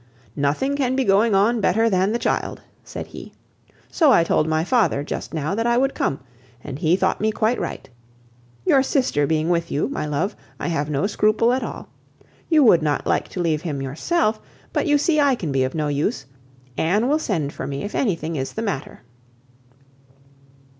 "Nothing can be going on better than the child," said he; "so I told my father, just now, that I would come, and he thought me quite right. Your sister being with you, my love, I have no scruple at all. You would not like to leave him yourself, but you see I can be of no use. Anne will send for me if anything is the matter."